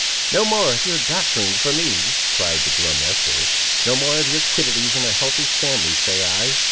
"No more of your doctoring for me!" cried the grum Esther; "no more of your quiddities in a healthy family, say I!